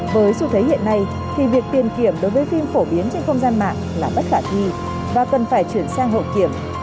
với xu thế hiện nay thì việc tiền kiểm đối với phim phổ biến trên không gian mạng là bất khả thi và cần phải chuyển sang hậu kiểm